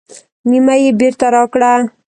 نیمه یې بېرته راکړه.